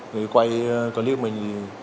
người quay clip mình